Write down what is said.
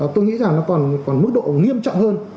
tôi nghĩ rằng nó còn mức độ nghiêm trọng hơn